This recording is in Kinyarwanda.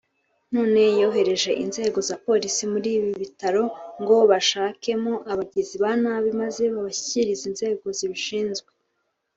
none yohereje inzengo za polisi muri buri bitaro ngo bashakemo abagizi ba nabi maze babashyikirize inzego zibishinzwe